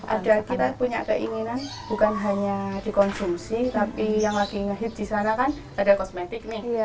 ada kita punya keinginan bukan hanya dikonsumsi tapi yang lagi ngehit di sana kan ada kosmetiknya